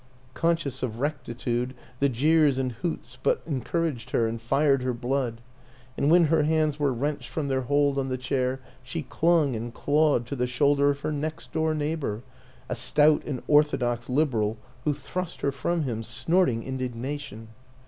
Conscious of rectitude, the jeers and hoots but encouraged her and fired her blood; and when her hands were wrenched from their hold on the chair she clung and clawed to the shoulder of her next door neighbor a stout and orthodox Liberal who thrust her from him, snorting in dignation.